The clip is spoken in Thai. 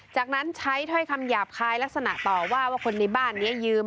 จากนั้นใช้ถ้อยคำหยาบคายลักษณะต่อว่าว่าคนในบ้านนี้ยืม